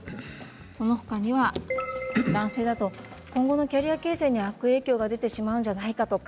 そのほかには男性だと今後のキャリア形成に悪影響が出てしまうのではないのか。